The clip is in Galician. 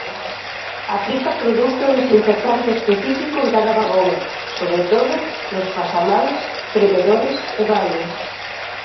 Aplica produto desinfectante específico en cada vagón, sobre todo, nos pasamáns, premedores e baños.